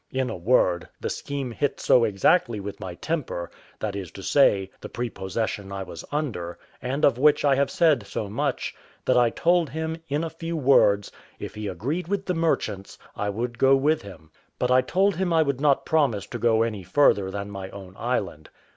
In a word, the scheme hit so exactly with my temper, that is to say, the prepossession I was under, and of which I have said so much, that I told him, in a few words, if he agreed with the merchants, I would go with him; but I told him I would not promise to go any further than my own island.